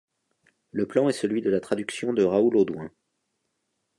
Le plan est celui de la traduction de Raoul Audoin.